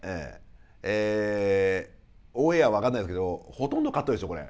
えオンエア分かんないですけどほとんどカットでしょこれ。